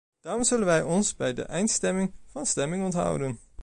Daarom zullen wij ons bij de eindstemming van stemming onthouden.